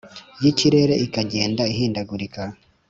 y'ikirere ikagenda ihindagurika.